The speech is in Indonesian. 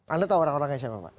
anda tahu orang orangnya siapa pak